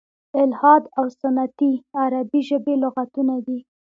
"الحاد او سنتي" عربي ژبي لغتونه دي.